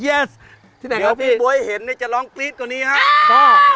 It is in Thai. เดี๋ยวพี่บ๊วยเห็นนี่จะร้องกรี๊ดกว่านี้ครับ